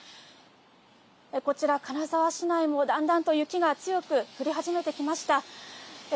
こちら金沢市内もだんだん雪が強く降り始めてきました。